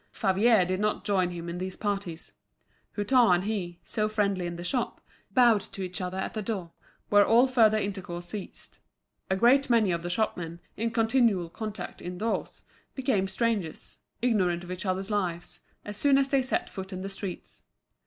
Favier did not join him in these parties. Hutin and he, so friendly in the shop, bowed to each other at the door, where all further intercourse ceased. A great many of the shopmen, in continual contact indoors, became strangers, ignorant of each other's lives, as soon as they set foot in the streets.